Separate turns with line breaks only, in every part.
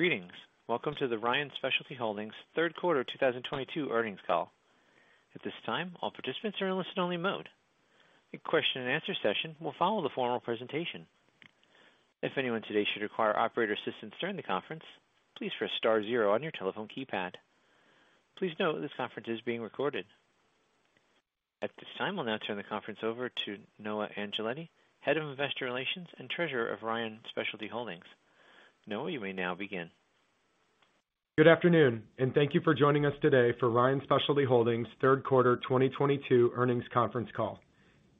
Greetings. Welcome to the Ryan Specialty Holdings third quarter 2022 earnings call. At this time, all participants are in listen-only mode. A question and answer session will follow the formal presentation. If anyone today should require operator assistance during the conference, please press star zero on your telephone keypad. Please note this conference is being recorded. At this time, we'll now turn the conference over to Noah Angeletti, Head of Investor Relations and Treasurer of Ryan Specialty Holdings. Noah, you may now begin.
Good afternoon, and thank you for joining us today for Ryan Specialty Holdings third quarter 2022 earnings conference call.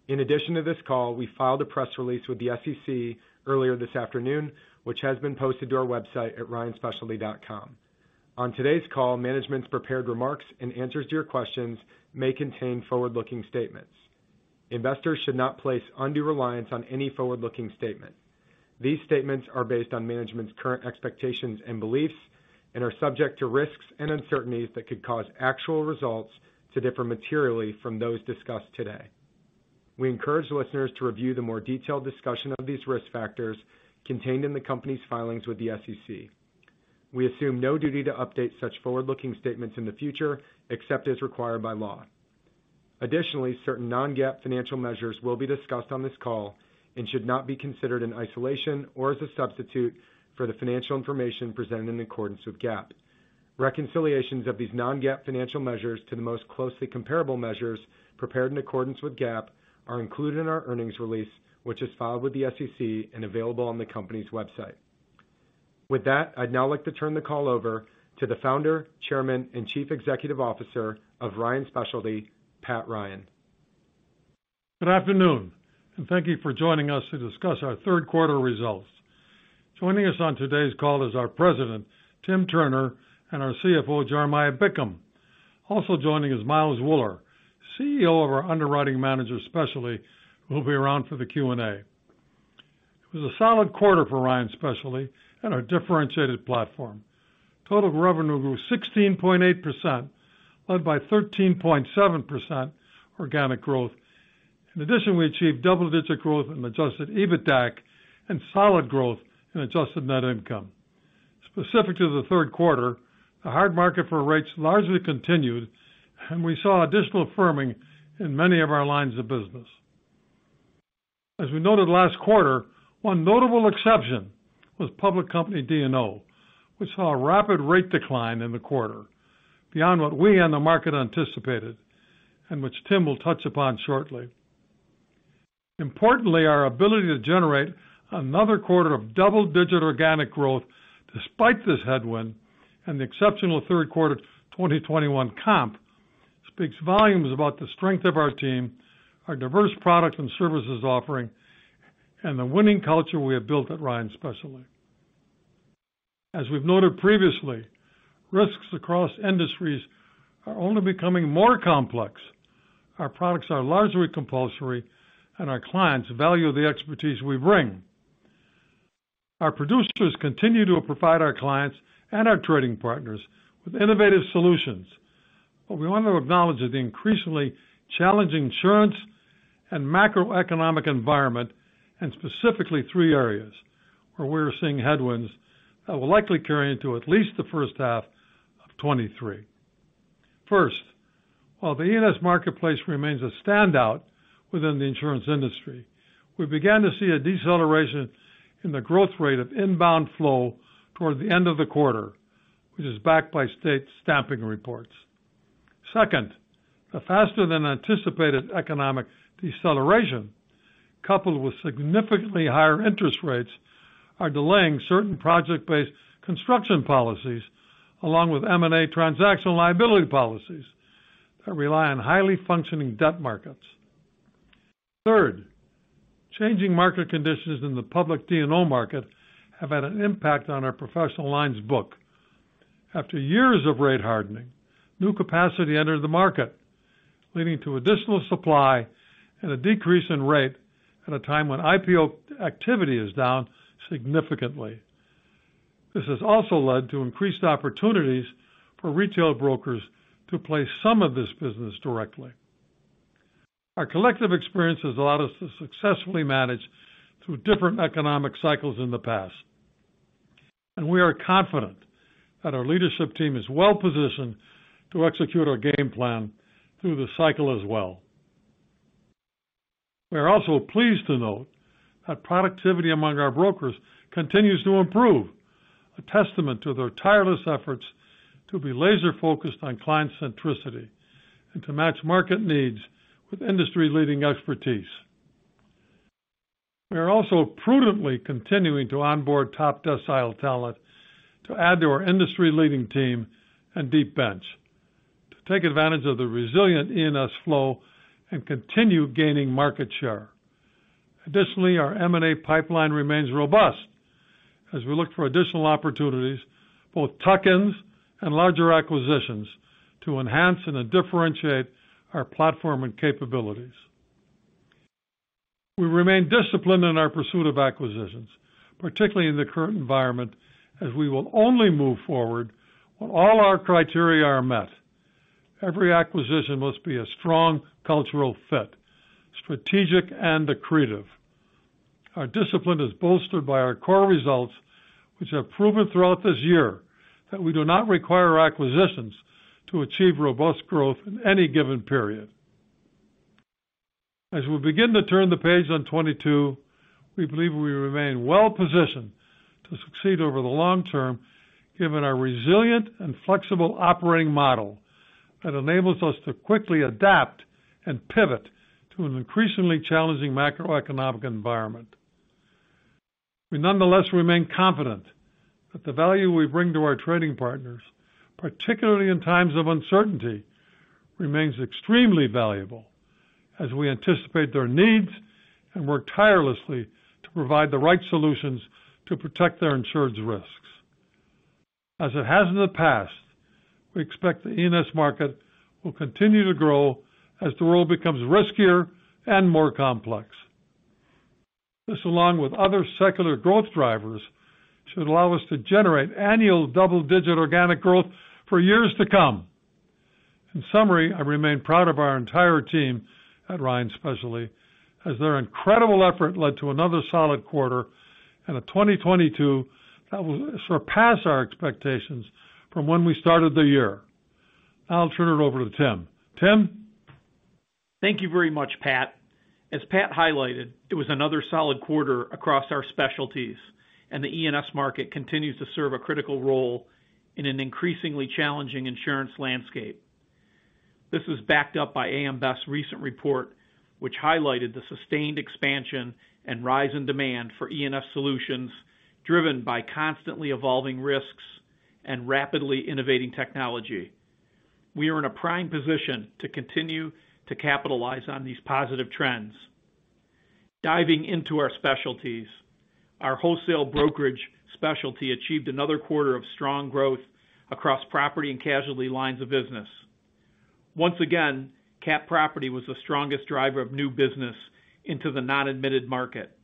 In addition to this call, we filed a press release with the SEC earlier this afternoon, which has been posted to our website at ryanspecialty.com. On today's call, management's prepared remarks and answers to your questions may contain forward-looking statements. Investors should not place undue reliance on any forward-looking statement. These statements are based on management's current expectations and beliefs and are subject to risks and uncertainties that could cause actual results to differ materially from those discussed today. We encourage listeners to review the more detailed discussion of these risk factors contained in the company's filings with the SEC. We assume no duty to update such forward-looking statements in the future, except as required by law. Additionally, certain non-GAAP financial measures will be discussed on this call and should not be considered in isolation or as a substitute for the financial information presented in accordance with GAAP. Reconciliations of these non-GAAP financial measures to the most closely comparable measures prepared in accordance with GAAP are included in our earnings release, which is filed with the SEC and available on the company's website. With that, I'd now like to turn the call over to the Founder, Chairman, and Chief Executive Officer of Ryan Specialty, Pat Ryan.
Good afternoon, and thank you for joining us to discuss our third quarter results. Joining us on today's call is our President, Tim Turner' and our CFO, Jeremiah Bickham. Also joining is Miles Wuller, CEO of Underwriting Managers Specialty, who will be around for the Q&A. It was a solid quarter for Ryan Specialty and our differentiated platform. Total revenue grew 16.8%, led by 13.7% organic growth. In addition, we achieved double-digit growth Adjusted EBITDA and solid growth in adjusted net income. Specific to the third quarter, the hard market for rates largely continued, and we saw additional firming in many of our lines of business. As we noted last quarter, one notable exception was public company D&O. We saw a rapid rate decline in the quarter beyond what we and the market anticipated, and which Tim will touch upon shortly. Importantly, our ability to generate another quarter of double-digit organic growth despite this headwind and the exceptional third quarter 2021 comp speaks volumes about the strength of our team, our diverse products and services offering, and the winning culture we have built at Ryan Specialty. As we've noted previously, risks across industries are only becoming more complex. Our products are largely compulsory, and our clients value the expertise we bring. Our producers continue to provide our clients and our trading partners with innovative solutions. We want to acknowledge that the increasingly challenging insurance and macroeconomic environment, and specifically three areas where we're seeing headwinds that will likely carry into at least the first half of 2023. First, while the E&S marketplace remains a standout within the insurance industry, we began to see a deceleration in the growth rate of inbound flow toward the end of the quarter, which is backed by state stamping reports. Second, a faster than anticipated economic deceleration, coupled with significantly higher interest rates, are delaying certain project-based construction policies along with M&A transactional liability policies that rely on highly functioning debt markets. Third, changing market conditions in the public D&O market have had an impact on our professional lines book. After years of rate hardening, new capacity entered the market, leading to additional supply and a decrease in rate at a time when IPO activity is down significantly. This has also led to increased opportunities for retail brokers to place some of this business directly. Our collective experience has allowed us to successfully manage through different economic cycles in the past, and we are confident that our leadership team is well positioned to execute our game plan through the cycle as well. We are also pleased to note that productivity among our brokers continues to improve, a testament to their tireless efforts to be laser-focused on client centricity and to match market needs with industry-leading expertise. We are also prudently continuing to onboard top decile talent to add to our industry leading team and deep bench to take advantage of the resilient E&S flow and continue gaining market share. Additionally, our M&A pipeline remains robust as we look for additional opportunities, both tuck-ins and larger acquisitions to enhance and differentiate our platform and capabilities. We remain disciplined in our pursuit of acquisitions, particularly in the current environment, as we will only move forward when all our criteria are met. Every acquisition must be a strong cultural fit, strategic and accretive. Our discipline is bolstered by our core results, which have proven throughout this year that we do not require acquisitions to achieve robust growth in any given period. As we begin to turn the page on 2022, we believe we remain well-positioned to succeed over the long term, given our resilient and flexible operating model that enables us to quickly adapt and pivot to an increasingly challenging macroeconomic environment. We nonetheless remain confident that the value we bring to our trading partners, particularly in times of uncertainty, remains extremely valuable as we anticipate their needs and work tirelessly to provide the right solutions to protect their insured's risks. As it has in the past, we expect the E&S market will continue to grow as the world becomes riskier and more complex. This, along with other secular growth drivers, should allow us to generate annual double-digit organic growth for years to come. In summary, I remain proud of our entire team at Ryan Specialty as their incredible effort led to another solid quarter and a 2022 that will surpass our expectations from when we started the year. I'll turn it over to Tim. Tim.
Thank you very much, Pat. As Pat highlighted, it was another solid quarter across our specialties, and the E&S market continues to serve a critical role in an increasingly challenging insurance landscape. This was backed up by AM Best's recent report, which highlighted the sustained expansion and rise in demand for E&S solutions, driven by constantly evolving risks and rapidly innovating technology. We are in a prime position to continue to capitalize on these positive trends. Diving into our specialties. Our wholesale brokerage specialty achieved another quarter of strong growth across property and casualty lines of business. Once again, Cat property was the strongest driver of new business into the non-admitted market.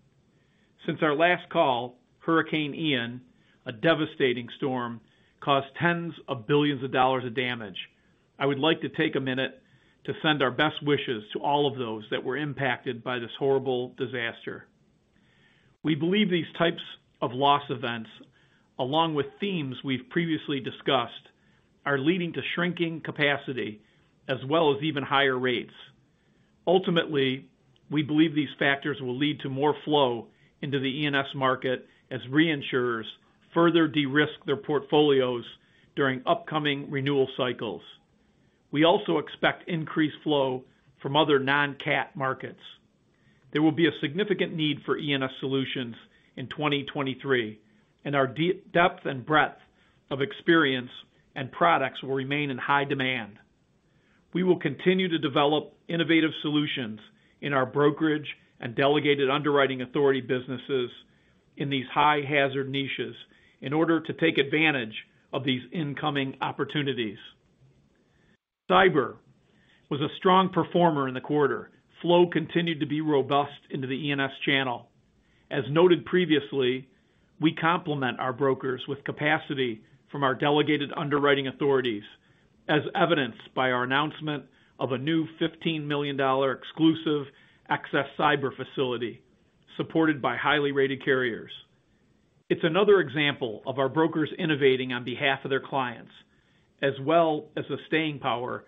Since our last call, Hurricane Ian, a devastating storm, caused tens of billions of dollars of damage. I would like to take a minute to send our best wishes to all of those that were impacted by this horrible disaster. We believe these types of loss events, along with themes we've previously discussed, are leading to shrinking capacity as well as even higher rates. Ultimately, we believe these factors will lead to more flow into the E&S market as reinsurers further de-risk their portfolios during upcoming renewal cycles. We also expect increased flow from other non-Cat markets. There will be a significant need for E&S solutions in 2023, and our depth and breadth of experience and products will remain in high demand. We will continue to develop innovative solutions in our brokerage and delegated underwriting authority businesses in these high hazard niches in order to take advantage of these incoming opportunities. Cyber was a strong performer in the quarter. Flow continued to be robust into the E&S channel. As noted previously, we complement our brokers with capacity from our delegated underwriting authorities, as evidenced by our announcement of a new $15 million exclusive excess cyber facility supported by highly rated carriers. It's another example of our brokers innovating on behalf of their clients, as well as the staying power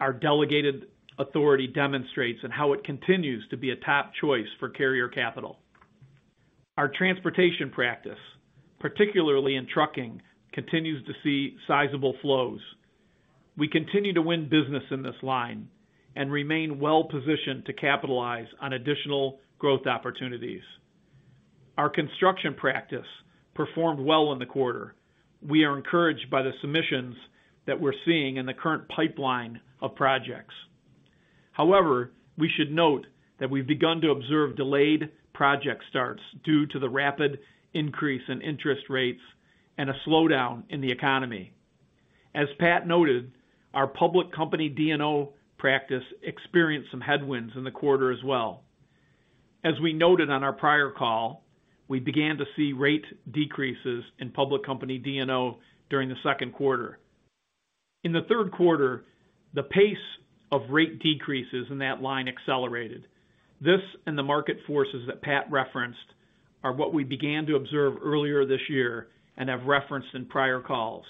our delegated authority demonstrates and how it continues to be a top choice for carrier capital. Our transportation practice, particularly in trucking, continues to see sizable flows. We continue to win business in this line and remain well positioned to capitalize on additional growth opportunities. Our construction practice performed well in the quarter. We are encouraged by the submissions that we're seeing in the current pipeline of projects. However, we should note that we've begun to observe delayed project starts due to the rapid increase in interest rates and a slowdown in the economy. As Pat noted, our public company D&O practice experienced some headwinds in the quarter as well. As we noted on our prior call, we began to see rate decreases in public company D&O during the second quarter. In the third quarter, the pace of rate decreases in that line accelerated. This and the market forces that Pat referenced are what we began to observe earlier this year and have referenced in prior calls.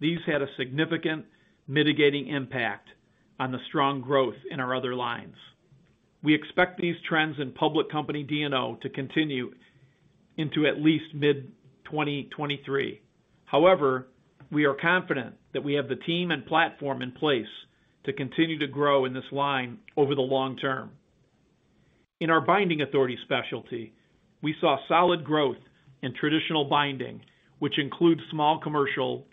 These had a significant mitigating impact on the strong growth in our other lines. We expect these trends in public company D&O to continue into at least mid-2023. However, we are confident that we have the team and platform in place to continue to grow in this line over the long term. In our binding authority specialty, we saw solid growth in traditional binding, which includes small commercial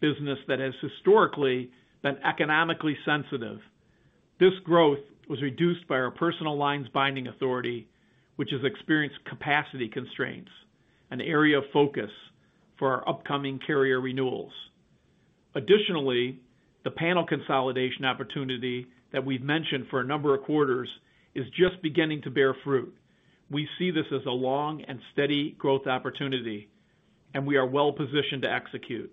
business that has historically been economically sensitive. This growth was reduced by our personal lines binding authority, which has experienced capacity constraints, an area of focus for our upcoming carrier renewals. Additionally, the panel consolidation opportunity that we've mentioned for a number of quarters is just beginning to bear fruit. We see this as a long and steady growth opportunity. We are well-positioned to execute.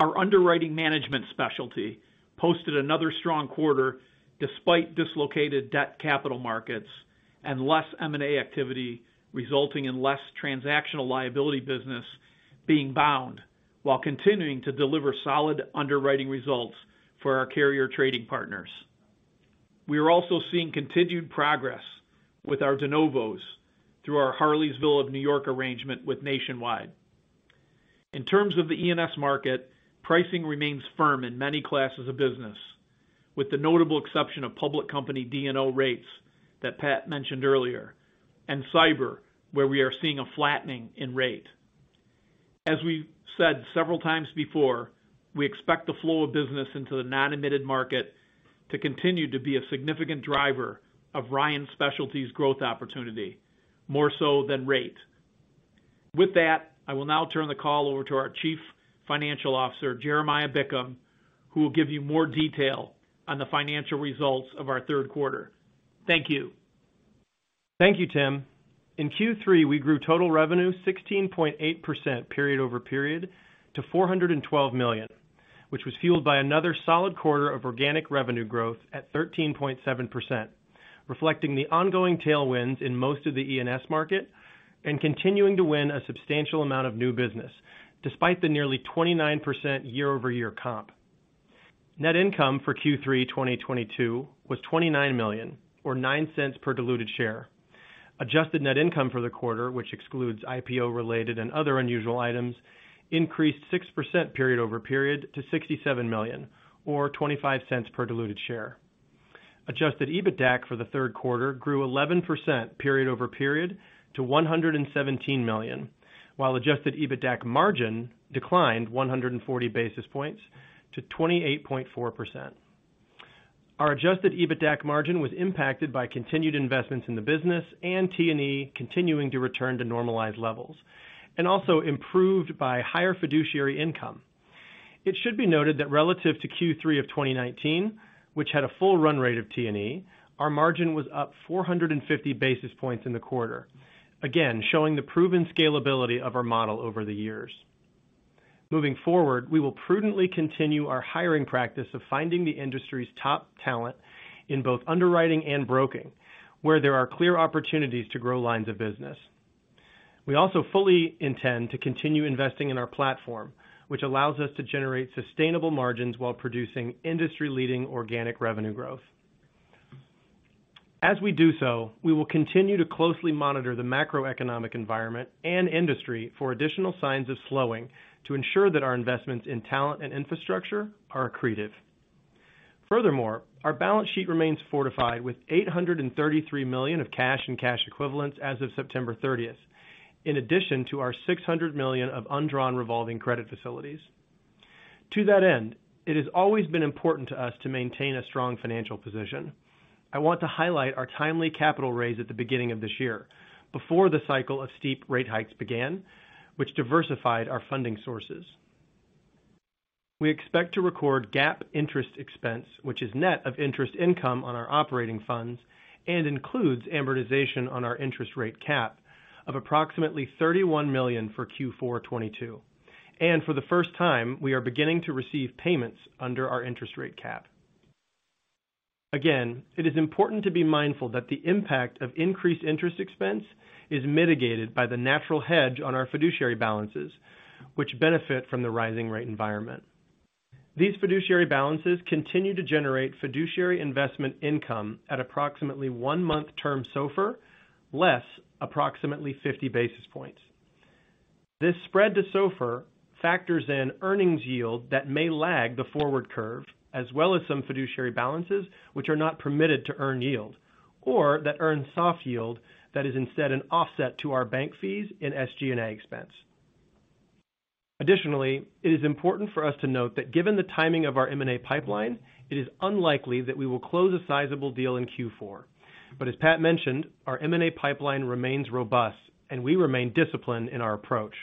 Our underwriting management specialty posted another strong quarter despite dislocated debt capital markets and less M&A activity, resulting in less transactional liability business being bound while continuing to deliver solid underwriting results for our carrier trading partners. We are also seeing continued progress with our de novos through our Harleysville of New York arrangement with Nationwide. In terms of the E&S market, pricing remains firm in many classes of business, with the notable exception of public company D&O rates that Pat mentioned earlier, and cyber, where we are seeing a flattening in rate. As we've said several times before, we expect the flow of business into the non-admitted market to continue to be a significant driver of Ryan Specialty's growth opportunity, more so than rate. With that, I will now turn the call over to our Chief Financial Officer, Jeremiah Bickham, who will give you more detail on the financial results of our third quarter. Thank you.
Thank you, Tim. In Q3, we grew total revenue 16.8% period-over-period to $412 million, which was fueled by another solid quarter of organic revenue growth at 13.7%, reflecting the ongoing tailwinds in most of the E&S market and continuing to win a substantial amount of new business despite the nearly 29% year-over-year comp. Net income for Q3 2022 was $29 million or $0.09 per diluted share. Adjusted net income for the quarter, which excludes IPO-related and other unusual items, increased 6% period-over-period to $67 million or $0.25 per diluted Adjusted EBITDA for the third quarter grew 11% period-over-period to $117 million, Adjusted EBITDA margin declined 140 basis points to 28.4%. Adjusted EBITDA margin was impacted by continued investments in the business and T&E continuing to return to normalized levels, and also improved by higher fiduciary income. It should be noted that relative to Q3 of 2019, which had a full run rate of T&E, our margin was up 450 basis points in the quarter. Again, showing the proven scalability of our model over the years. Moving forward, we will prudently continue our hiring practice of finding the industry's top talent in both underwriting and broking, where there are clear opportunities to grow lines of business. We also fully intend to continue investing in our platform, which allows us to generate sustainable margins while producing industry-leading organic revenue growth. As we do so, we will continue to closely monitor the macroeconomic environment and industry for additional signs of slowing to ensure that our investments in talent and infrastructure are accretive. Furthermore, our balance sheet remains fortified with $833 million of cash and cash equivalents as of September 30th. In addition to our $600 million of undrawn revolving credit facilities. To that end, it has always been important to us to maintain a strong financial position. I want to highlight our timely capital raise at the beginning of this year before the cycle of steep rate hikes began, which diversified our funding sources. We expect to record GAAP interest expense, which is net of interest income on our operating funds and includes amortization on our interest rate cap of approximately $31 million for Q4 2022. For the first time, we are beginning to receive payments under our interest rate cap. Again, it is important to be mindful that the impact of increased interest expense is mitigated by the natural hedge on our fiduciary balances, which benefit from the rising rate environment. These fiduciary balances continue to generate fiduciary investment income at approximately one-month term SOFR, less approximately 50 basis points. This spread to SOFR factors in earnings yield that may lag the forward curve, as well as some fiduciary balances which are not permitted to earn yield, or that earn soft yield that is instead an offset to our bank fees in SG&A expense. Additionally, it is important for us to note that given the timing of our M&A pipeline, it is unlikely that we will close a sizable deal in Q4. As Pat mentioned, our M&A pipeline remains robust, and we remain disciplined in our approach.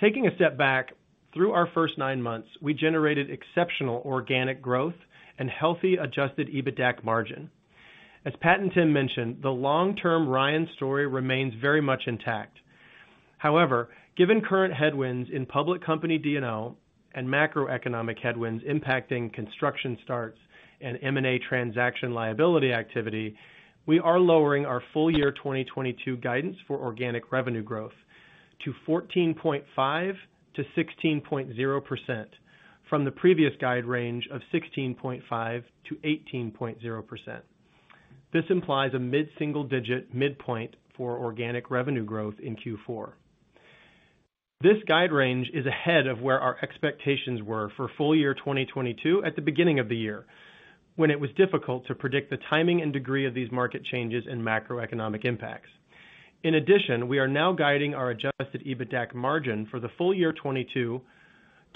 Taking a step back, through our first nine months, we generated exceptional organic growth and Adjusted EBITDA margin. As Pat and Tim mentioned, the long-term Ryan story remains very much intact. However, given current headwinds in public company D&O and macroeconomic headwinds impacting construction starts and M&A transaction liability activity, we are lowering our full year 2022 guidance for organic revenue growth to 14.5%-16.0% from the previous guide range of 16.5%-18.0%. This implies a mid-single digit midpoint for organic revenue growth in Q4. This guide range is ahead of where our expectations were for full year 2022 at the beginning of the year, when it was difficult to predict the timing and degree of these market changes and macroeconomic impacts. In addition, we are now guiding Adjusted EBITDA margin for the full year 2022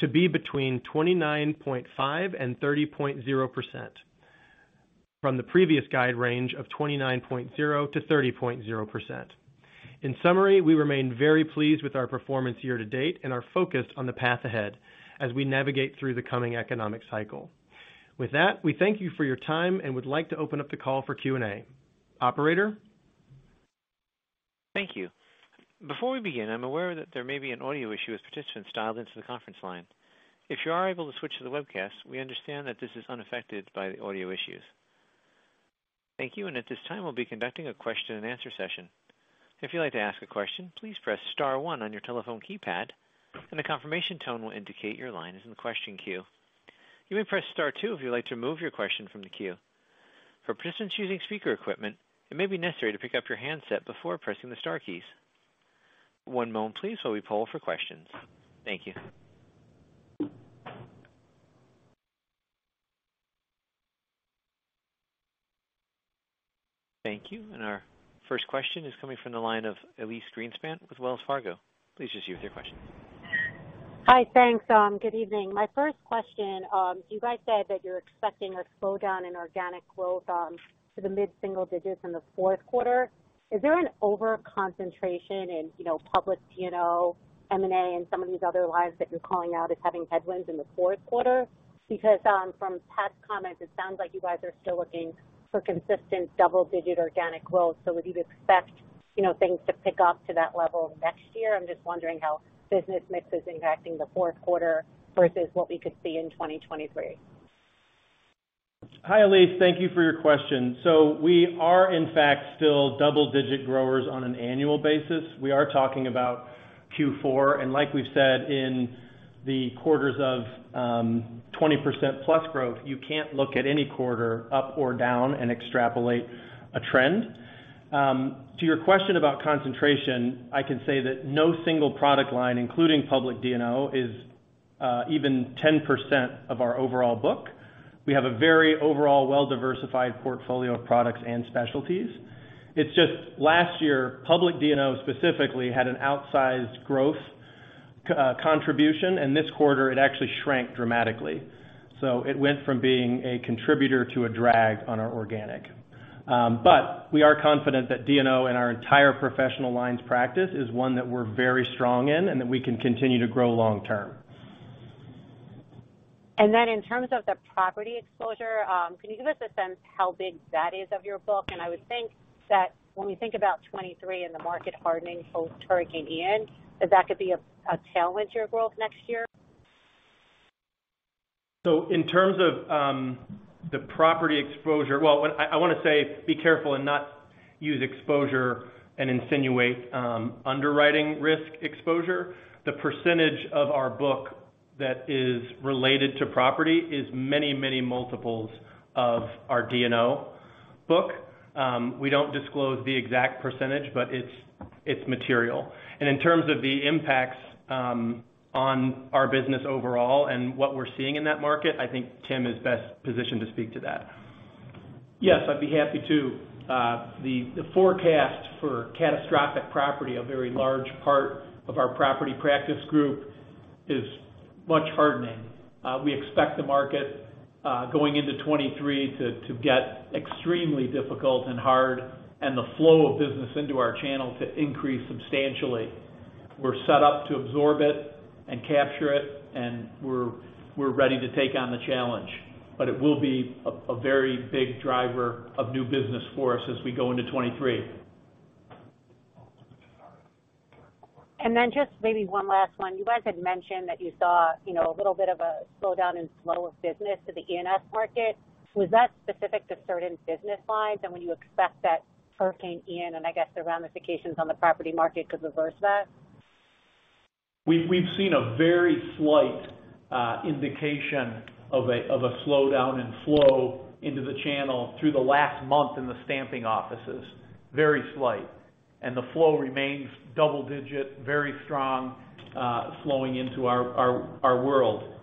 to be between 29.5% and 30.0% from the previous guide range of 29.0%-30.0%. In summary, we remain very pleased with our performance year to date and are focused on the path ahead as we navigate through the coming economic cycle. With that, we thank you for your time and would like to open up the call for Q&A. Operator?
Thank you. Before we begin, I'm aware that there may be an audio issue as participants dialed into the conference line. If you are able to switch to the webcast, we understand that this is unaffected by the audio issues. Thank you, and at this time, we'll be conducting a question and answer session. If you'd like to ask a question, please press star one on your telephone keypad, and a confirmation tone will indicate your line is in the question queue. You may press star two if you'd like to remove your question from the queue. For participants using speaker equipment, it may be necessary to pick up your handset before pressing the star keys. One moment please while we poll for questions. Thank you. Thank you. Our first question is coming from the line of Elyse Greenspan with Wells Fargo. Please proceed with your question.
Hi. Thanks. Good evening. My first question, you guys said that you're expecting a slowdown in organic growth to the mid-single digits in the fourth quarter. Is there an over-concentration in, you know, public D&O, M&A, and some of these other lines that you're calling out as having headwinds in the fourth quarter? Because, from Pat comments, it sounds like you guys are still looking for consistent double-digit organic growth, so would you expect, you know, things to pick up to that level next year? I'm just wondering how business mix is impacting the fourth quarter versus what we could see in 2023.
Hi, Elyse. Thank you for your question. We are in fact still double-digit growers on an annual basis. We are talking about Q4. Like we've said in the quarters of 20%+ growth, you can't look at any quarter up or down and extrapolate a trend. To your question about concentration, I can say that no single product line, including public D&O, is even 10% of our overall book. We have a very overall well-diversified portfolio of products and specialties. It's just last year, public D&O specifically had an outsized growth contribution, and this quarter it actually shrank dramatically. It went from being a contributor to a drag on our organic. We are confident that D&O and our entire professional lines practice is one that we're very strong in and that we can continue to grow long term.
In terms of the property exposure, can you give us a sense how big that is of your book? I would think that when we think about 2023 and the market hardening post Hurricane Ian, that could be a tailwind to your growth next year.
In terms of the property exposure. Well, I wanna say be careful and not use exposure and insinuate underwriting risk exposure. The percentage of our book that is related to property is many, many multiples of our D&O book. We don't disclose the exact percentage, but it's material. In terms of the impacts on our business overall and what we're seeing in that market, I think Tim is best positioned to speak to that.
Yes, I'd be happy to. The forecast for catastrophic property, a very large part of our property practice group, is much hardening. We expect the market going into 2023 to get extremely difficult and hard, and the flow of business into our channel to increase substantially. We're set up to absorb it and capture it, and we're ready to take on the challenge, but it will be a very big driver of new business for us as we go into 2023.
Just maybe one last one. You guys had mentioned that you saw, you know, a little bit of a slowdown in flow of business to the E&S market. Was that specific to certain business lines? Will you expect that Hurricane Ian and I guess the ramifications on the property market could reverse that?
We've seen a very slight indication of a slowdown in flow into the channel through the last month in the stamping offices. Very slight. The flow remains double-digit, very strong, flowing into our world.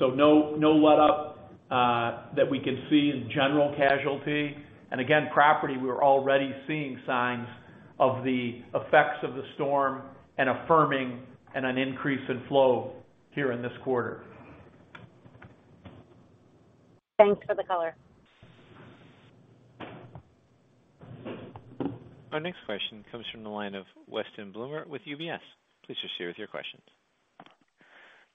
No letup that we can see in general casualty. Again, property, we're already seeing signs of the effects of the storm and affirming an increase in flow here in this quarter.
Thanks for the color.
Our next question comes from the line of Weston Bloomer with UBS. Please proceed with your questions.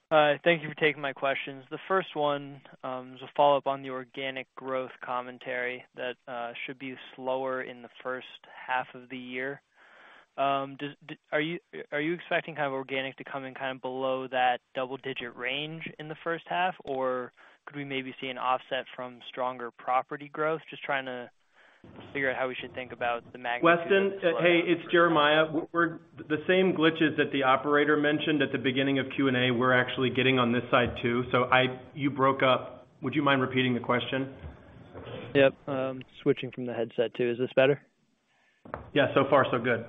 Thank you for taking my questions. The first one is a follow-up on the organic growth commentary that should be slower in the first half of the year. Are you expecting kind of organic to come in kind of below that double-digit range in the first half? Or could we maybe see an offset from stronger property growth? Just trying to figure out how we should think about the magnitude.
Weston. Hey, it's Jeremiah. The same glitches that the operator mentioned at the beginning of Q&A, we're actually getting on this side, too. You broke up. Would you mind repeating the question?
Yep. Switching from the headset, too. Is this better?
Yeah. So far so good.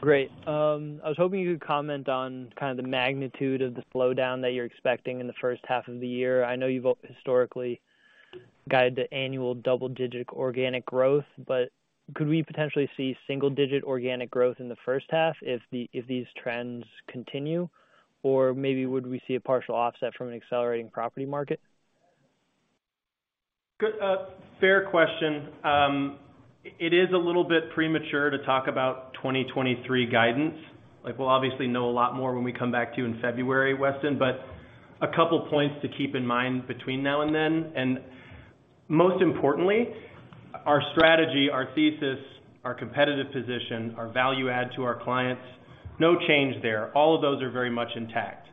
Great. I was hoping you could comment on kind of the magnitude of the slowdown that you're expecting in the first half of the year. I know you've historically guided to annual double-digit organic growth, but could we potentially see single-digit organic growth in the first half if these trends continue? Or maybe would we see a partial offset from an accelerating property market?
Good, fair question. It is a little bit premature to talk about 2023 guidance. Like, we'll obviously know a lot more when we come back to you in February, Weston. A couple points to keep in mind between now and then, and most importantly, our strategy, our thesis, our competitive position, our value add to our clients, no change there. All of those are very much intact.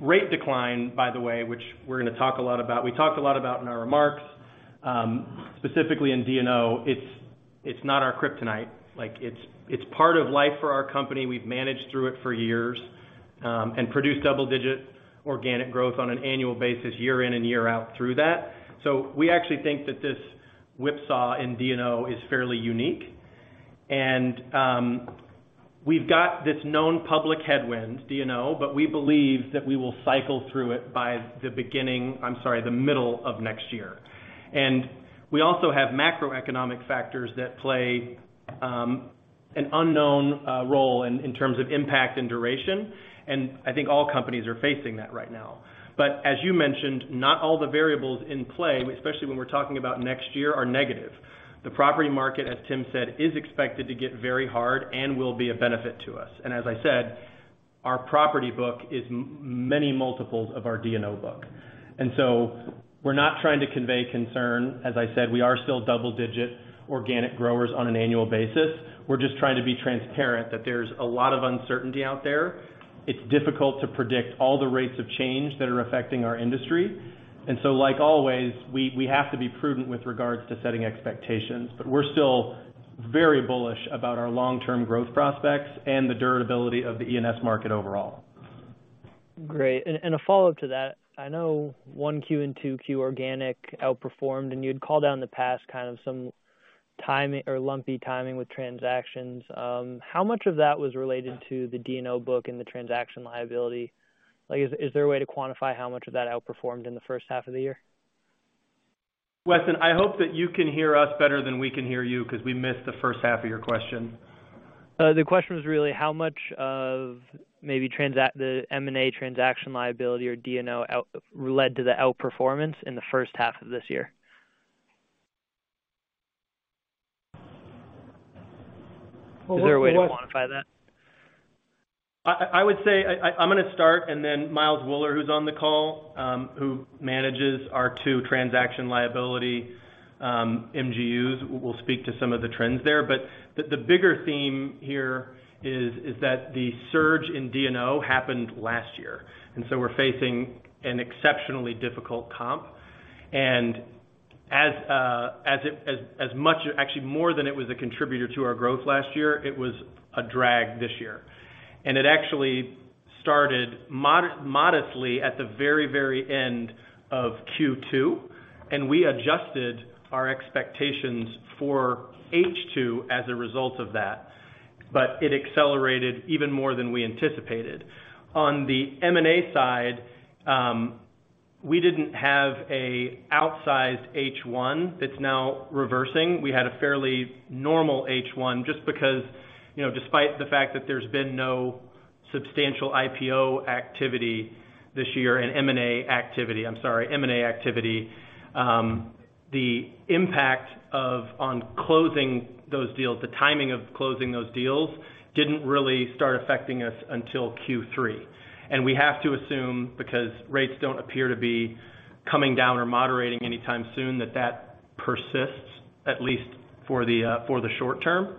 Rate decline, by the way, which we're gonna talk a lot about. We talked a lot about in our remarks, specifically in D&O, it's not our Kryptonite. Like, it's part of life for our company. We've managed through it for years, and produced double-digit organic growth on an annual basis year in and year out through that. We actually think that this whipsaw in D&O is fairly unique. We've got this known public headwind, D&O, but we believe that we will cycle through it by the middle of next year. We also have macroeconomic factors that play an unknown role in terms of impact and duration, and I think all companies are facing that right now. As you mentioned, not all the variables in play, especially when we're talking about next year, are negative. The property market, as Tim said, is expected to get very hard and will be a benefit to us. As I said, our property book is many multiples of our D&O book. We're not trying to convey concern. As I said, we are still double digit organic growers on an annual basis. We're just trying to be transparent that there's a lot of uncertainty out there. It's difficult to predict all the rates of change that are affecting our industry. Like always, we have to be prudent with regards to setting expectations. We're still very bullish about our long-term growth prospects and the durability of the E&S market overall.
Great. A follow-up to that. I know 1Q and 2Q organic outperformed, and you'd called out in the past kind of some timing or lumpy timing with transactions. How much of that was related to the D&O book and the transaction liability? Like, is there a way to quantify how much of that outperformed in the first half of the year?
Weston, I hope that you can hear us better than we can hear you 'cause we missed the first half of your question.
The question was really how much of maybe the M&A transaction liability or D&O led to the outperformance in the first half of this year.
Well, look, West.
Is there a way to quantify that?
I would say, I'm gonna start, and then Miles Wuller, who's on the call, who manages our two transactional liability MGUs, will speak to some of the trends there. The bigger theme here is that the surge in D&O happened last year, and so we're facing an exceptionally difficult comp. Actually more than it was a contributor to our growth last year, it was a drag this year. It actually started modestly at the very end of Q2, and we adjusted our expectations for H2 as a result of that. It accelerated even more than we anticipated. On the M&A side, we didn't have an outsized H1 that's now reversing. We had a fairly normal H1 just because, you know, despite the fact that there's been no substantial IPO activity this year and M&A activity, the impact on closing those deals, the timing of closing those deals didn't really start affecting us until Q3. We have to assume, because rates don't appear to be coming down or moderating anytime soon, that persists at least for the short term.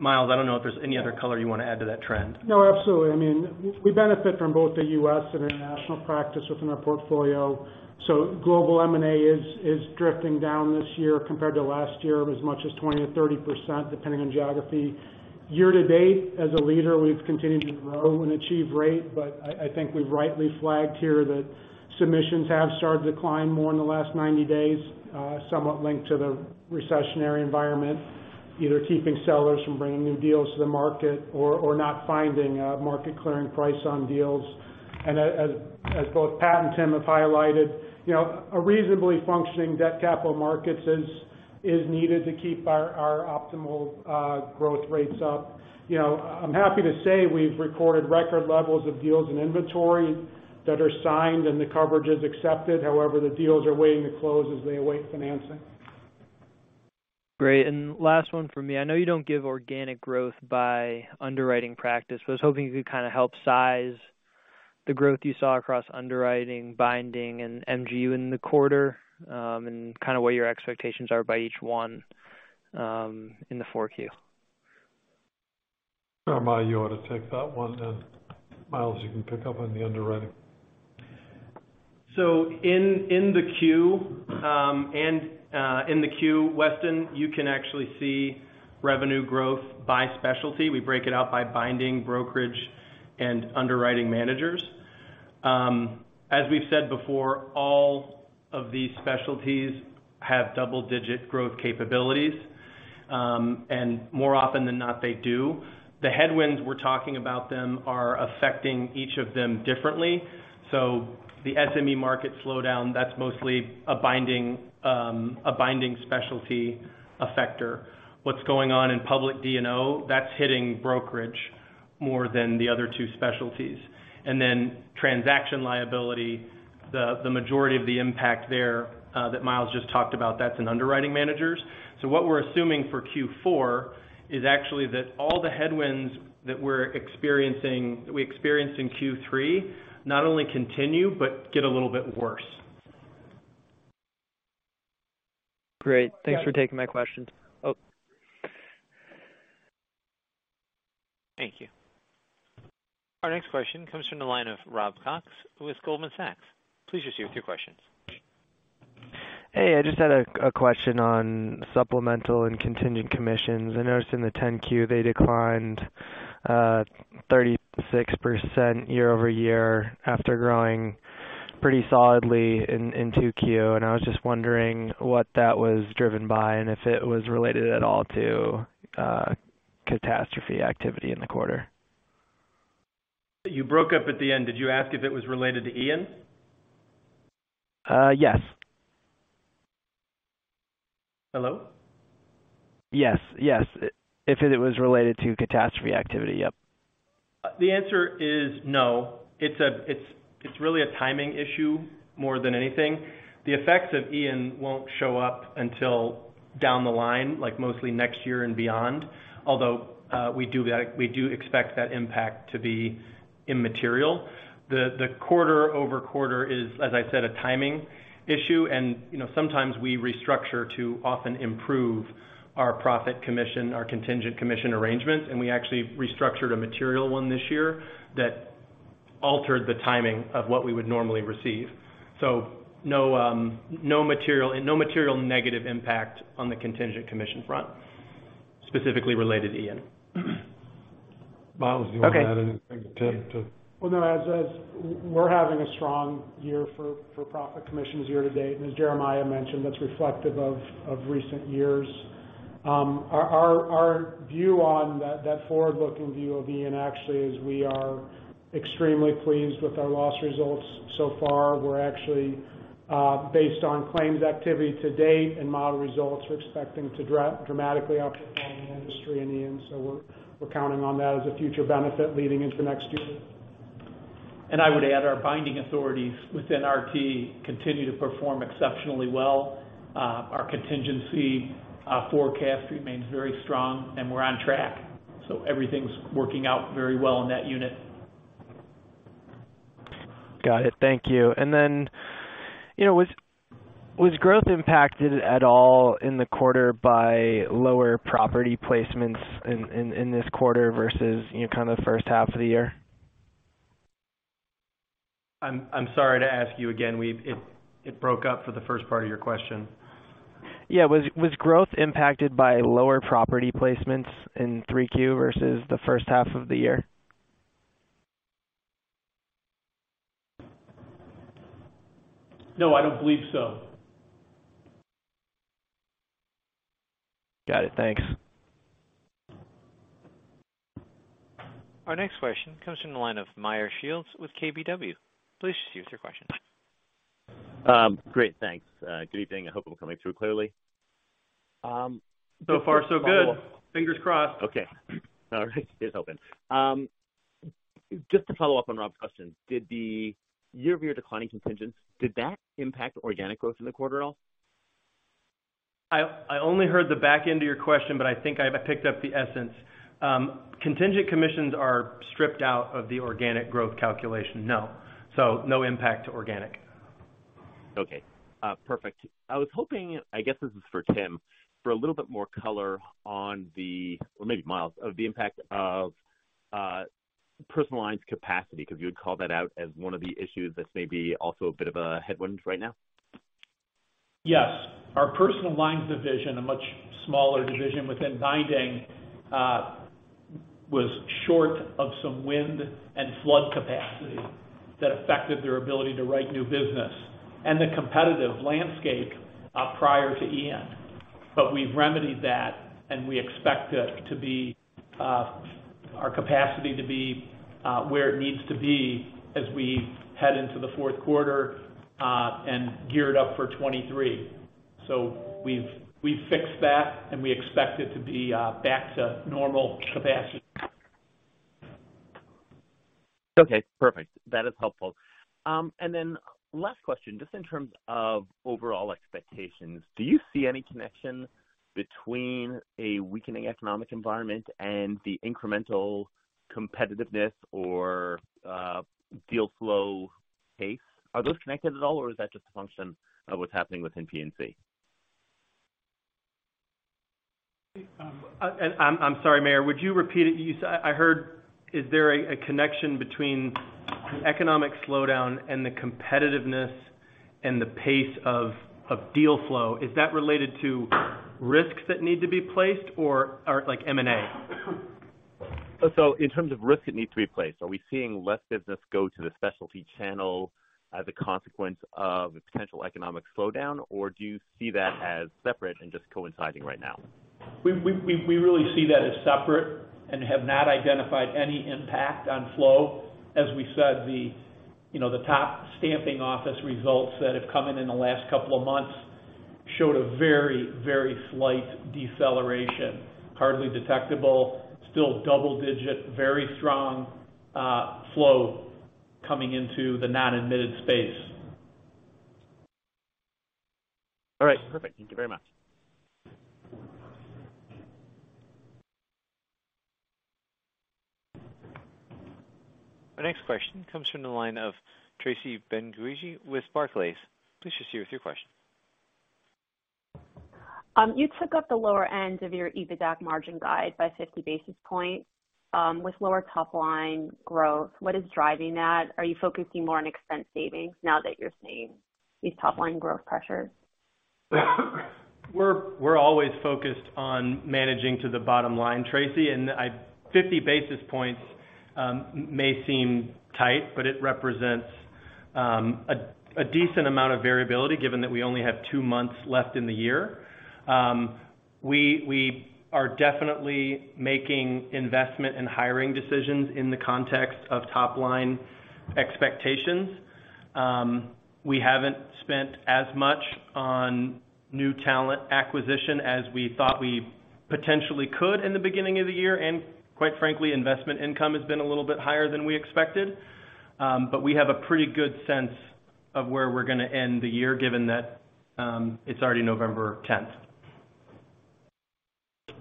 Miles, I don't know if there's any other color you wanna add to that trend.
No, absolutely. I mean, we benefit from both the U.S. and international practice within our portfolio. Global M&A is drifting down this year compared to last year as much as 20%-30%, depending on geography. Year to date, as a leader, we've continued to grow and achieve rate, but I think we've rightly flagged here that submissions have started to decline more in the last 90 days, somewhat linked to the recessionary environment, either keeping sellers from bringing new deals to the market or not finding a market clearing price on deals. As both Pat and Tim have highlighted, you know, a reasonably functioning debt capital markets is needed to keep our optimal growth rates up. You know, I'm happy to say we've recorded record levels of deals and inventory that are signed and the coverage is accepted. However, the deals are waiting to close as they await financing.
Great. Last one from me. I know you don't give organic growth by underwriting practice, but I was hoping you could kind of help size the growth you saw across underwriting, binding, and MGU in the quarter, and kind of what your expectations are by each one, in the 4Q?
I might oughta take that one, and Miles, you can pick up on the underwriting.
In the 10-Q, Weston, you can actually see revenue growth by specialty. We break it out by binding, brokerage, and underwriting managers. As we've said before, all of these specialties have double-digit growth capabilities, and more often than not, they do. The headwinds we're talking about them are affecting each of them differently. The SME market slowdown, that's mostly a binding specialty factor. What's going on in public D&O, that's hitting brokerage more than the other two specialties. Then transaction liability, the majority of the impact there that Miles just talked about, that's in underwriting managers. What we're assuming for Q4 is actually that all the headwinds that we experienced in Q3 not only continue, but get a little bit worse.
Great. Thanks for taking my questions.
Thank you. Our next question comes from the line of Robert Cox with Goldman Sachs. Please proceed with your questions.
Hey, I just had a question on supplemental and contingent commissions. I noticed in the 10-Q they declined 36% year-over-year after growing pretty solidly in 2Q. I was just wondering what that was driven by and if it was related at all to catastrophe activity in the quarter.
You broke up at the end. Did you ask if it was related to Ian?
Yes.
Hello?
Yes. Yes. If it was related to catastrophe activity. Yep.
The answer is no. It's really a timing issue more than anything. The effects of Ian won't show up until down the line, like, mostly next year and beyond. Although, we do expect that impact to be immaterial. The quarter-over-quarter is, as I said, a timing issue. You know, sometimes we restructure to often improve our profit commission, our contingent commission arrangements, and we actually restructured a material one this year that altered the timing of what we would normally receive. So no material negative impact on the contingent commission front specifically related to Ian.
Miles, do you want to add anything to?
No. As we're having a strong year for profit commissions year to date, and as Jeremiah mentioned, that's reflective of recent years. Our view on that forward-looking view of Ian actually is we are extremely pleased with our loss results so far. We're actually based on claims activity to date and model results, we're expecting to dramatically outperform the industry in Ian. We're counting on that as a future benefit leading into next year.
I would add, our binding authorities within RT continue to perform exceptionally well. Our contingency forecast remains very strong and we're on track, so everything's working out very well in that unit.
Got it. Thank you. Then, you know, was growth impacted at all in the quarter by lower property placements in this quarter versus, you know, kind of the first half of the year?
I'm sorry to ask you again, it broke up for the first part of your question.
Yeah. Was growth impacted by lower property placements in 3Q versus the first half of the year?
No, I don't believe so.
Got it. Thanks.
Our next question comes from the line of Meyer Shields with KBW. Please proceed with your question.
Great. Thanks. Good evening. I hope I'm coming through clearly.
So far so good. Fingers crossed.
Okay. All right. Here's hoping. Just to follow up on Rob's question, did the year-over-year declining contingent impact organic growth in the quarter at all?
I only heard the back end of your question, but I think I've picked up the essence. Contingent commissions are stripped out of the organic growth calculation. No. So no impact to organic.
Okay. Perfect. I was hoping, I guess this is for Tim, for a little bit more color on the or maybe Miles, of the impact of personal lines capacity, 'cause you would call that out as one of the issues that's maybe also a bit of a headwind right now.
Yes. Our personal lines division, a much smaller division within binding, was short of some wind and flood capacity that affected their ability to write new business and the competitive landscape prior to Ian. We've remedied that, and we expect our capacity to be where it needs to be as we head into the fourth quarter and geared up for 2023. We've fixed that and we expect it to be back to normal capacity.
Okay. Perfect. That is helpful. Last question, just in terms of overall expectations, do you see any connection between a weakening economic environment and the incremental competitiveness or deal flow pace? Are those connected at all or is that just a function of what's happening within P&C?
I'm sorry, Meyer, would you repeat it? I heard, is there a connection between the economic slowdown and the competitiveness and the pace of deal flow? Is that related to risks that need to be placed or like M&A?
In terms of risk that needs to be placed, are we seeing less business go to the specialty channel as a consequence of a potential economic slowdown, or do you see that as separate and just coinciding right now?
We really see that as separate and have not identified any impact on flow. As we said, you know, the top stamping office results that have come in the last couple of months showed a very, very slight deceleration, hardly detectable, still double digit, very strong, flow coming into the non-admitted space.
All right. Perfect. Thank you very much.
Our next question comes from the line of Tracy Benguigui with Barclays. Please proceed with your question.
You took up the lower end of your EBITDA margin guide by 50 basis points, with lower top line growth. What is driving that? Are you focusing more on expense savings now that you're seeing these top line growth pressures?
We're always focused on managing to the bottom line, Tracy, 50 basis points may seem tight, but it represents a decent amount of variability given that we only have two months left in the year. We are definitely making investment and hiring decisions in the context of top line expectations. We haven't spent as much on new talent acquisition as we thought we potentially could in the beginning of the year, and quite frankly, investment income has been a little bit higher than we expected. We have a pretty good sense of where we're gonna end the year, given that it's already November 10.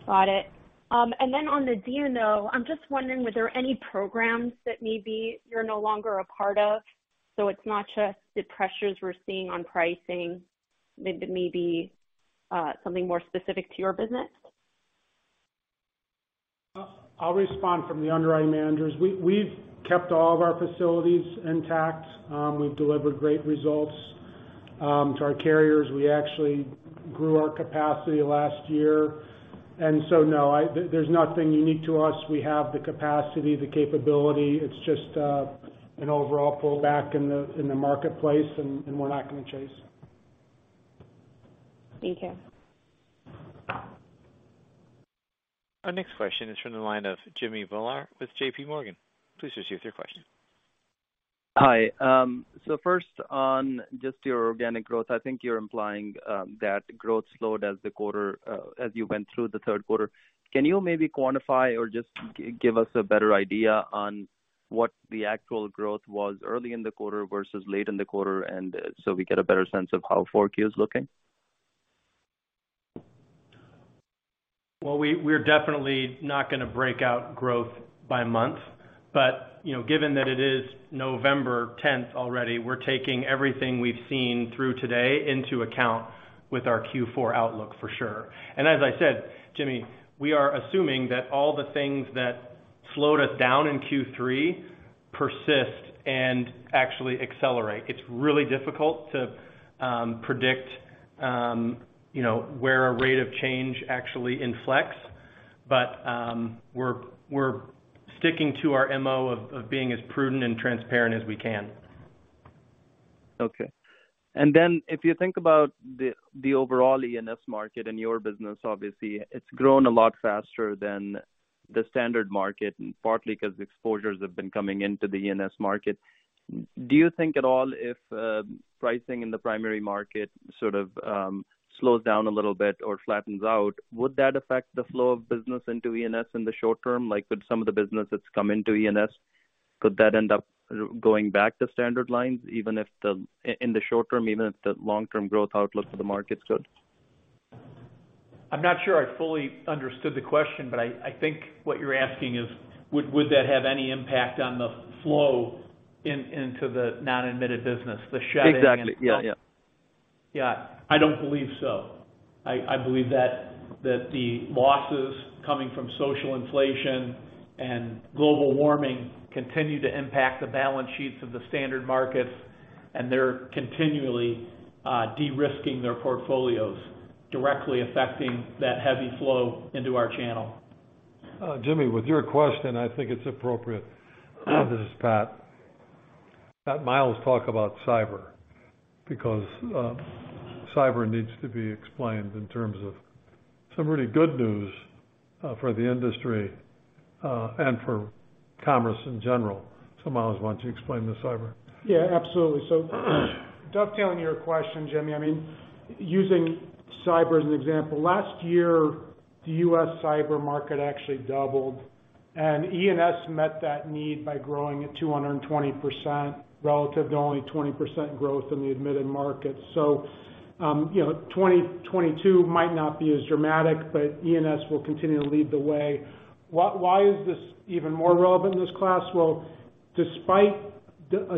Got it. On the D&O, I'm just wondering, were there any programs that maybe you're no longer a part of? It's not just the pressures we're seeing on pricing, maybe something more specific to your business.
I'll respond from the underwriting managers. We've kept all of our facilities intact. We've delivered great results to our carriers. We actually grew our capacity last year. No, there's nothing unique to us. We have the capacity, the capability. It's just an overall pullback in the marketplace and we're not gonna chase it.
Thank you.
Our next question is from the line of Jimmy Bhullar with JPMorgan. Please proceed with your question.
Hi. First on just your organic growth. I think you're implying that growth slowed as you went through the third quarter. Can you maybe quantify or just give us a better idea on what the actual growth was early in the quarter versus late in the quarter and we get a better sense of how 4Q is looking?
Well, we're definitely not gonna break out growth by month. You know, given that it is November 10th already, we're taking everything we've seen through today into account with our Q4 outlook for sure. As I said, Jimmy, we are assuming that all the things that slowed us down in Q3 persist and actually accelerate. It's really difficult to predict, you know, where a rate of change actually inflects. We're sticking to our MO of being as prudent and transparent as we can.
Okay. If you think about the overall E&S market and your business, obviously it's grown a lot faster than the standard market, partly 'cause exposures have been coming into the E&S market. Do you think at all if pricing in the primary market sort of slows down a little bit or flattens out, would that affect the flow of business into E&S in the short term? Like, could some of the business that's come into E&S, could that end up going back to standard lines, even if in the short term, even if the long-term growth outlook for the market's good?
I'm not sure I fully understood the question, but I think what you're asking is, would that have any impact on the flow into the non-admitted business, the shed.
Exactly. Yeah. Yeah.
Yeah. I don't believe so. I believe that the losses coming from social inflation and global warming continue to impact the balance sheets of the standard markets, and they're continually de-risking their portfolios, directly affecting that heavy flow into our channel.
Jimmy, with your question, I think it's appropriate. This is Pat. Let Miles talk about cyber because cyber needs to be explained in terms of some really good news for the industry and for commerce in general. Miles, why don't you explain the cyber?
Yeah, absolutely. Dovetailing your question, Jimmy, I mean, using cyber as an example. Last year, the U.S. cyber market actually doubled, and E&S met that need by growing at 220% relative to only 20% growth in the admitted market. You know, 2022 might not be as dramatic, but E&S will continue to lead the way. Why is this even more relevant in this class? Well, despite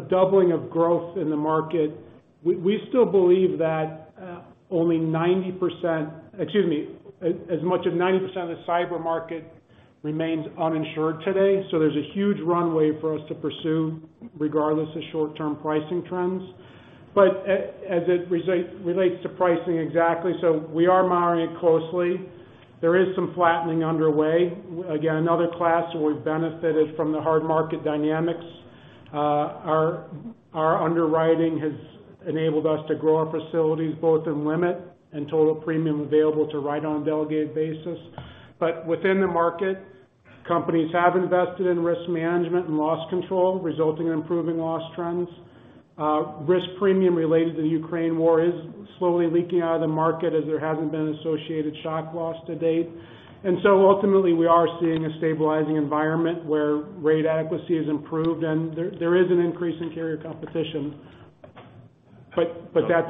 doubling of growth in the market, we still believe that, only as much as 90% of the cyber market remains uninsured today. There's a huge runway for us to pursue regardless of short-term pricing trends. As it relates to pricing, exactly, we are monitoring it closely. There is some flattening underway. Again, another class where we've benefited from the hard market dynamics. Our underwriting has enabled us to grow our facilities both in limit and total premium available to write on a delegated basis. Within the market, companies have invested in risk management and loss control, resulting in improving loss trends. Risk premium related to the Ukraine war is slowly leaking out of the market as there hasn't been associated shock loss to date. Ultimately, we are seeing a stabilizing environment where rate adequacy has improved and there is an increase in carrier competition. That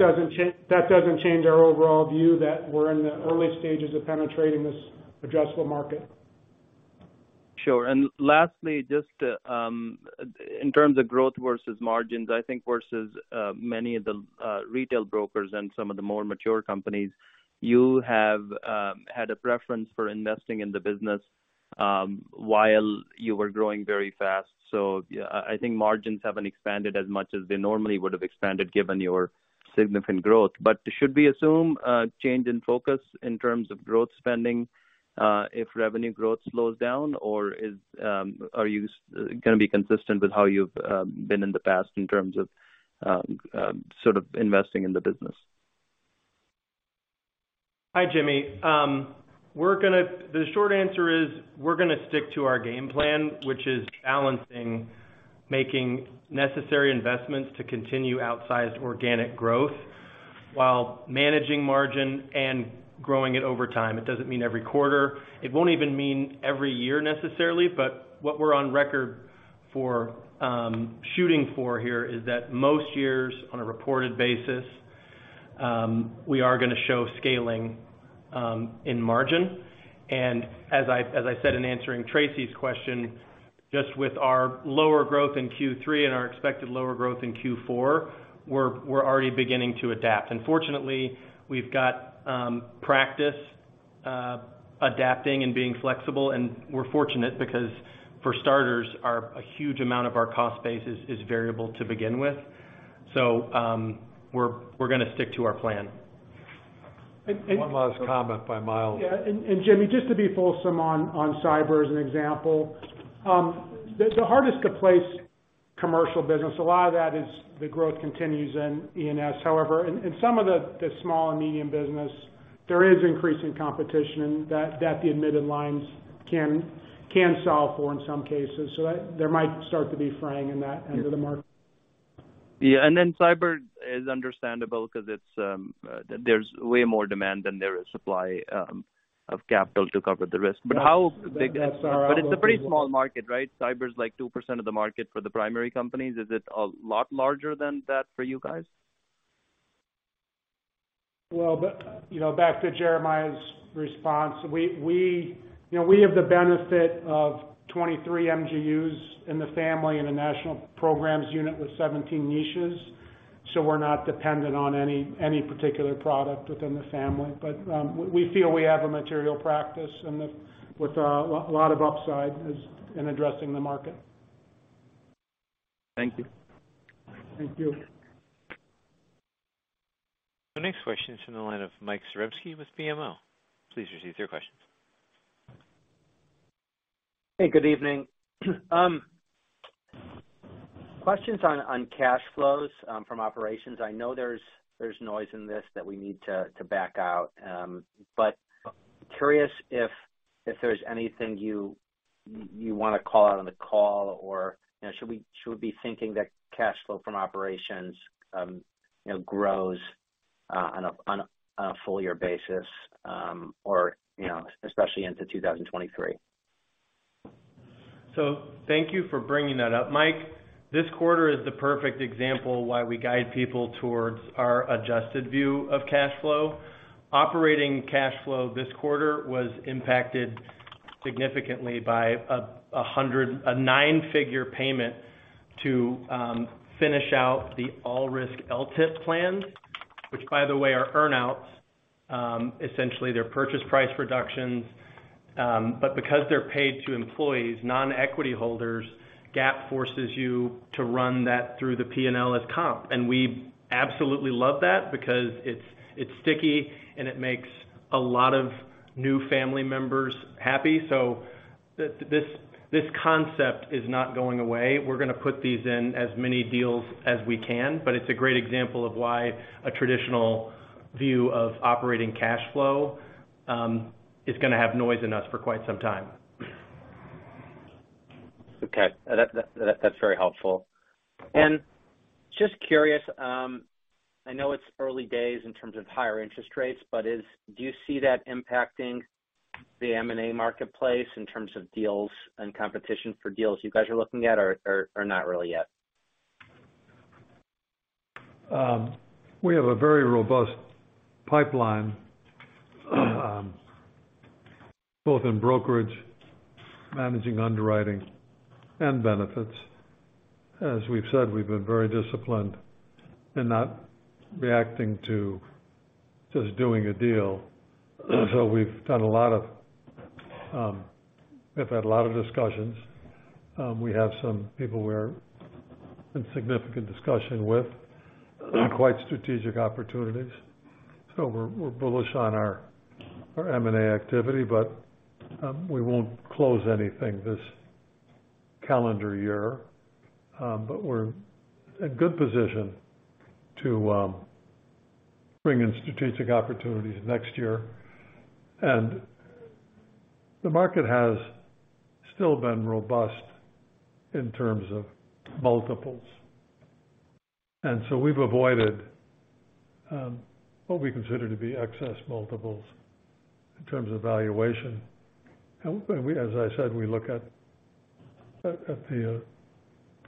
doesn't change our overall view that we're in the early stages of penetrating this addressable market.
Sure. Lastly, just to in terms of growth versus margins, I think versus many of the retail brokers and some of the more mature companies, you have had a preference for investing in the business while you were growing very fast. I think margins haven't expanded as much as they normally would have expanded given your significant growth. Should we assume a change in focus in terms of growth spending if revenue growth slows down? Are you gonna be consistent with how you've been in the past in terms of sort of investing in the business?
Hi, Jimmy. The short answer is, we're gonna stick to our game plan, which is balancing making necessary investments to continue outsized organic growth while managing margin and growing it over time. It doesn't mean every quarter. It won't even mean every year necessarily, but what we're on record for, shooting for here is that most years on a reported basis, we are gonna show scaling in margin. As I said in answering Tracy's question, just with our lower growth in Q3 and our expected lower growth in Q4, we're already beginning to adapt. Fortunately, we've got practice adapting and being flexible, and we're fortunate because for starters, a huge amount of our cost base is variable to begin with. We're gonna stick to our plan.
And, and-
One last comment by Miles.
Yeah. Jimmy, just to be fulsome on cyber as an example. The hardest to place commercial business, a lot of that is the growth continues in E&S. However, in some of the small and medium business, there is increasing competition that the admitted lines can solve for in some cases. That there might start to be fraying in that end of the market.
Yeah. Cyber is understandable 'cause it's, there's way more demand than there is supply of capital to cover the risk. How big-
That's our overall view.
It's a pretty small market, right? Cyber is like 2% of the market for the primary companies. Is it a lot larger than that for you guys?
Well, you know, back to Jeremiah's response, you know, we have the benefit of 23 MGUs in the family in the national programs unit with 17 niches. We're not dependent on any particular product within the family. We feel we have a material practice with a lot of upside as in addressing the market.
Thank you.
Thank you.
The next question is from the line of Mike Zaremski with BMO. Please proceed with your questions.
Hey, good evening. Questions on cash flows from operations. I know there's noise in this that we need to back out. Curious if there's anything you wanna call out on the call or, you know, should we be thinking that cash flow from operations grows on a full year basis or, you know, especially into 2023?
Thank you for bringing that up, Mike. This quarter is the perfect example why we guide people towards our adjusted view of cash flow. Operating cash flow this quarter was impacted significantly by a nine-figure payment to finish out the All Risks LTIP plan, which, by the way, are earn-outs. Essentially, they're purchase price reductions. But because they're paid to employees, non-equity holders, GAAP forces you to run that through the P&L as comp. We absolutely love that because it's sticky and it makes a lot of new family members happy. This concept is not going away. We're gonna put these in as many deals as we can, but it's a great example of why a traditional view of operating cash flow is gonna have noise in us for quite some time.
Okay. That's very helpful. Just curious, I know it's early days in terms of higher interest rates, but do you see that impacting the M&A marketplace in terms of deals and competition for deals you guys are looking at or not really yet?
We have a very robust pipeline, both in brokerage, managing underwriting, and benefits. As we've said, we've been very disciplined in not reacting to just doing a deal. We've had a lot of discussions. We have some people we're in significant discussion with, quite strategic opportunities. We're bullish on our M&A activity, but we won't close anything this calendar year. We're in a good position to bring in strategic opportunities next year. The market has still been robust in terms of multiples. We've avoided what we consider to be excess multiples in terms of valuation. As I said, we look at the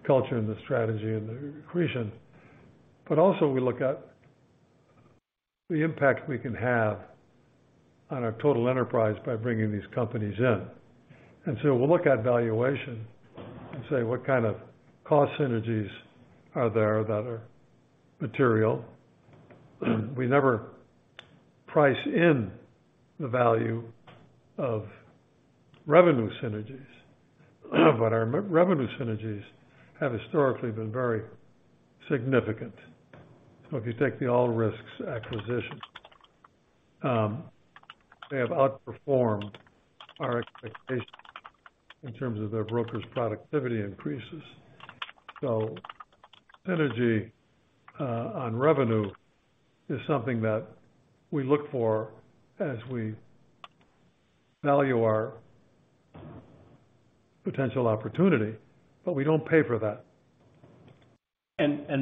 culture and the strategy and the accretion, but also we look at the impact we can have on our total enterprise by bringing these companies in. We'll look at valuation and say what kind of cost synergies are there that are material. We never price in the value of revenue synergies, but our revenue synergies have historically been very significant. If you take the All Risks acquisition, they have outperformed our expectations in terms of their brokers productivity increases. Synergy on revenue is something that we look for as we value our potential opportunity, but we don't pay for that.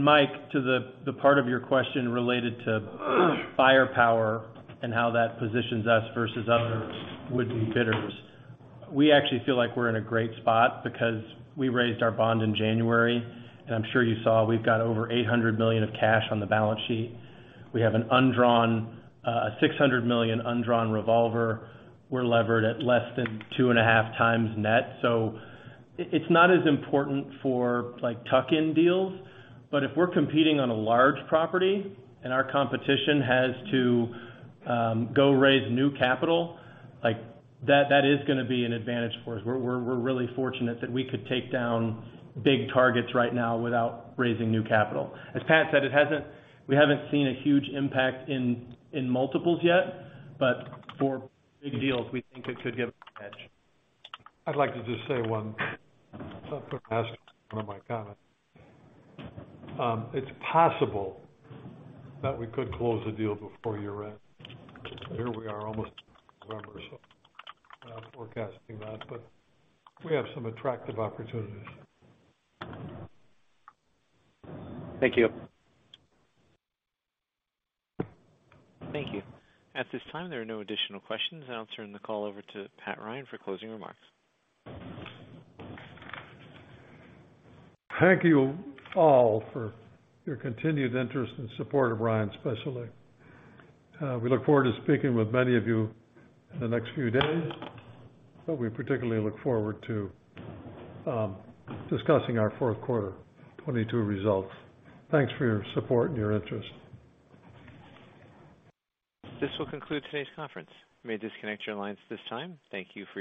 Mike, to the part of your question related to firepower and how that positions us versus other would-be bidders. We actually feel like we're in a great spot because we raised our bond in January. I'm sure you saw we've got over $800 million of cash on the balance sheet. We have an undrawn $600 million undrawn revolver. We're levered at less than 2.5x net. It's not as important for, like, tuck in deals, but if we're competing on a large property and our competition has to go raise new capital, like, that is gonna be an advantage for us. We're really fortunate that we could take down big targets right now without raising new capital. As Pat said, we haven't seen a huge impact in multiples yet, but for big deals, we think it could give us an edge.
I'd like to just say one last one of my comments. It's possible that we could close the deal before year-end. Here we are almost November, so we're forecasting that, but we have some attractive opportunities.
Thank you.
Thank you. At this time, there are no additional questions. I'll turn the call over to Pat Ryan for closing remarks.
Thank you all for your continued interest and support of Ryan Specialty. We look forward to speaking with many of you in the next few days, but we particularly look forward to discussing our fourth quarter 2022 results. Thanks for your support and your interest.
This will conclude today's conference. You may disconnect your lines at this time. Thank you for your participation.